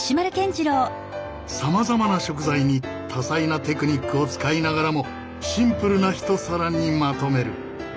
さまざまな食材に多彩なテクニックを使いながらもシンプルな一皿にまとめる。